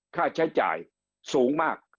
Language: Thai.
ค่าใช้จ่ายสูงมาก